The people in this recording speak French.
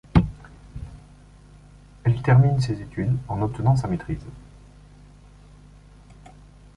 Elle termine ses études en obtenant sa maîtrise.